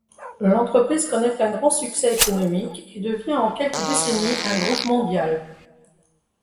L'entreprise connaît un grand succès économique et devient en quelques décennies un groupe mondial.